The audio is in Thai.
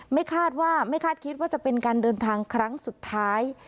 ไม่คาดว่าไม่คาดคิดว่าจะเป็นการเดินทางครั้งสุดท้าย